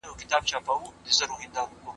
د بد عادت د پیل لامل ومومئ.